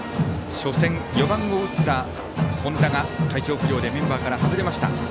初戦４番を打った本田が体調不良でメンバーから外れました。